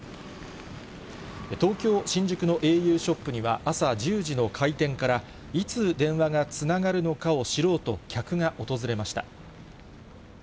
東京・新宿のａｕショップには、朝１０時の開店から、いつ電話がつながるのかを知ろうと、客が訪れました。